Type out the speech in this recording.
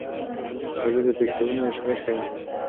وضوح د پیکسلونو شمېر ښيي.